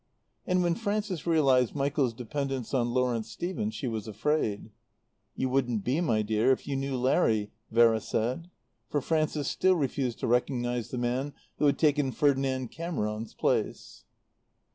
And when Frances realized Michael's dependence on Lawrence Stephen she was afraid. "You wouldn't be, my dear, if you knew Larry," Vera said. For Frances still refused to recognize the man who had taken Ferdinand Cameron's place.